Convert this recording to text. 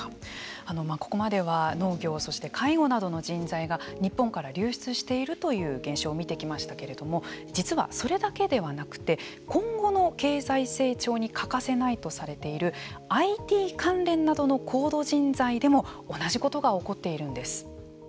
ここまでは農業そして介護などの人材が日本から流出しているという現象を見てきましたけれども実は、それだけではなくて今後の経済成長に欠かせないとされているＩＴ関連などの高度人材でも同じことが起こっているんです。